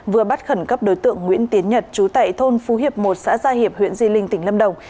vừa bắt khẩn cấp đối tượng nguyễn tiến nhật trú tại thôn phú hiệp một xã gia hiệp huyện di linh tỉnh lâm đồng